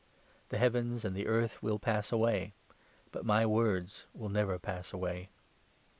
The heavens and the earth will pass away, but my 33 words will never pass away.